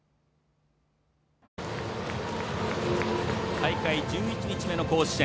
大会１１日目の甲子園。